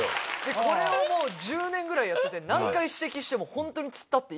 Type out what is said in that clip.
これをもう１０年ぐらいやってて何回指摘しても。